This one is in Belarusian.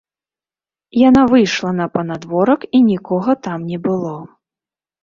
Яна выйшла на панадворак, і нікога там не было.